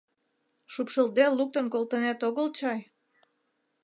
Шупшылде луктын колтынет огыл чай?